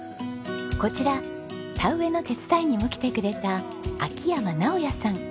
こちら田植えの手伝いにも来てくれた秋山直哉さん。